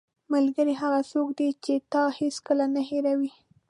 ملګری هغه څوک دی چې تا هیڅکله نه هېروي.